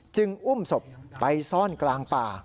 อุ้มศพไปซ่อนกลางป่า